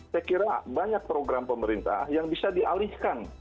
saya kira banyak program pemerintah yang bisa dialihkan